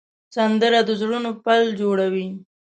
سندره د زړونو پل جوړوي